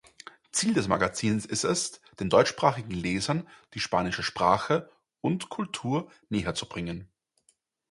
Ziel des Magazins ist es, den deutschsprachigen Lesern die spanische Sprache und Kultur näherzubringen.